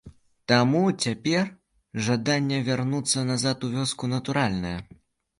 Таму цяпер жаданне вярнуцца назад у вёску натуральнае.